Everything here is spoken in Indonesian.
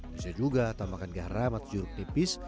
bisa juga tambahkan garam atau juruk tipis